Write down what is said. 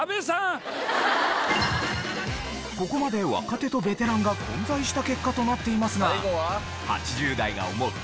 ここまで若手とベテランが混在した結果となっていますが８０代が思う